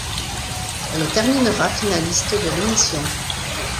Elle terminera finaliste de l'émission.